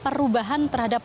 perubahan terhadap bank